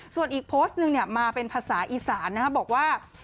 ส่วนอีกโพสต์หนึ่งมาเป็นภาษาอีสานนะครับบอกว่า